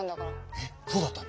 えっ⁉そうだったの？